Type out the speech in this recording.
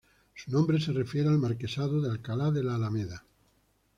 Su nombre se refiere al Marquesado de Alcalá de la Alameda.